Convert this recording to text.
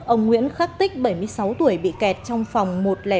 ông nguyễn khắc tích bảy mươi sáu tuổi bị kẹt trong phòng một trăm linh năm